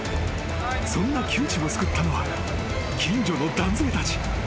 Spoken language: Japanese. ［そんな窮地を救ったのは近所の男性たち］